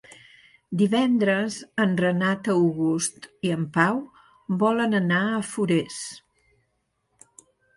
Divendres en Renat August i en Pau volen anar a Forès.